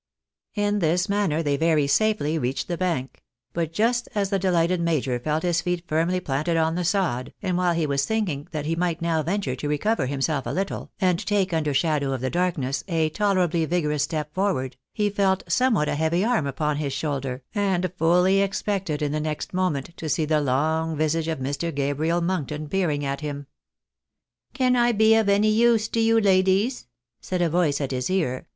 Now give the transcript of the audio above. In this manner they very safely reached the bank ; but just as the delighted major felt his feet firmly planted on the sod, and while he was thinking that he might now venture to recover him self a little, and take, under shadow of the darkness, a tolerably vigorous step forward, he felt a somewhat heavy arm upon his shoulder, and fully expected in the next moment to see the long visage of Mr. Gabriel Monkton peering at him. " Can I be of any use to you, ladies?" said a voice at his ear, v.